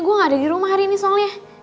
gue gak ada di rumah hari ini soalnya